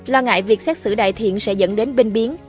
lo ngại việc xét xử đại thiện sẽ dẫn đến binh biến